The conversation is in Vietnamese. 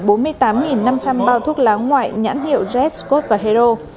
bốn mươi tám năm trăm linh bao thuốc lá ngoại nhãn hiệu jet scott và hero